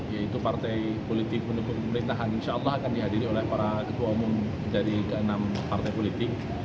yaitu partai politik pendukung pemerintahan insya allah akan dihadiri oleh para ketua umum dari keenam partai politik